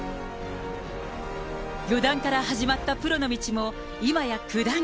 四段から始まったプロの道も今や九段。